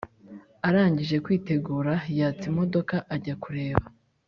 arangije kwitegura yatsa imodoka ajya kureba